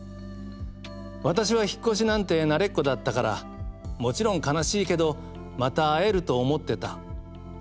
私は引っ越しなんて慣れっこだったからもちろん悲しいけどまた会えると思ってた。